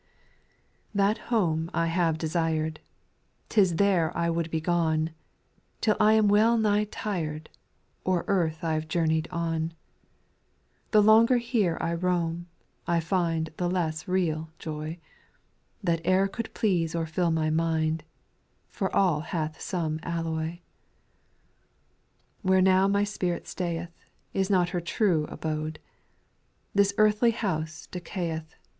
6. That home have I desired ;* 'T is there I would be gone ; Till I am well nigh tir'd, O'er earth I Ve journeyed on ; The longer here I roam, I find The less of real jo}', That e'er could please or fill my mind, — For all hath some alloy. 7. Where now my spirit stayeth Is not her true abode ; This earthly house decay eth.